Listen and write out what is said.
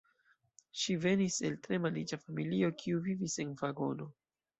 Ŝi venis el tre malriĉa familio kiu vivis en vagono.